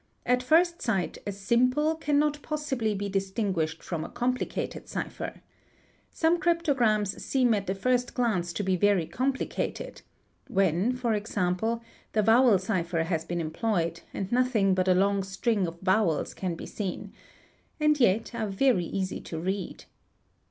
At first sight a simple cannot possibly be distinguished from a complicated cipher. Some cryp — tograms seem at the first glance to be very complicated (when, e.g. the vowel cipher has been employed and nothing but a long string o vowels can be seen), and yet are very easy to read.